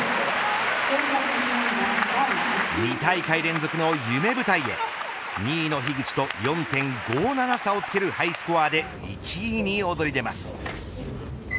２大会連続の夢舞台へ２位の樋口と４．５７差をつけるハイスコアで１位に躍り出ます。